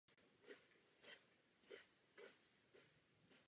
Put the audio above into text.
Hřbitov byl užíván od středověku a byl největším hřbitovem uvnitř pařížských hradeb.